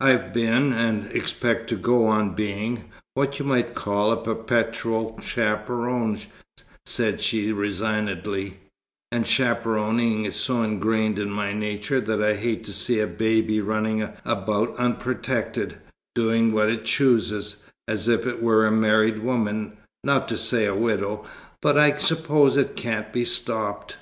"I've been, and expect to go on being, what you might call a perpetual chaperon," said she resignedly; "and chaperoning is so ingrained in my nature that I hate to see a baby running about unprotected, doing what it chooses, as if it were a married woman, not to say a widow. But I suppose it can't be stopped."